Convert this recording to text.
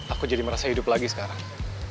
aku jadi merasa hidup lagi sekarang